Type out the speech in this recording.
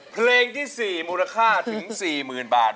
เพลงที่๔มูลค่าถึง๔๐๐๐บาท